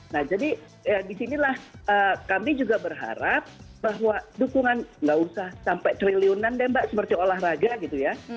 nah jadi disinilah kami juga berharap bahwa dukungan nggak usah sampai triliunan deh mbak seperti olahraga gitu ya